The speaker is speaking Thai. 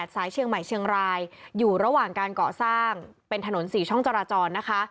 สายเชียงใหม่เชียงรายอยู่ระหว่างการก่อสร้างเป็นถนน๔ช่องจราจรนะคะ